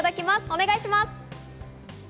お願いします。